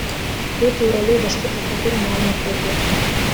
Бул тууралуу башкы прокуратура маалымат берди.